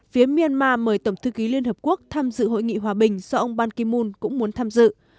phía myanmar mời tổng thư ký liên hợp quốc tham dự hội nghị hòa bình do ông ban kim mun cũng muốn tham dự